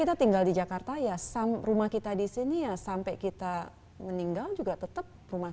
kita tinggal di jakarta ya rumah kita di sini ya sampai kita meninggal juga tetap rumah